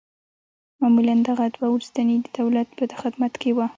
معمولاً دغه دوه وروستني د دولت په خدمت کې وه.